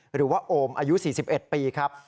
หรือว่าโอมอายุ๔๑ปีครับ